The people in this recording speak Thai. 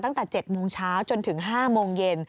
ตั้งแต่๗โมงเช้าจนถึง๕โมงเย็น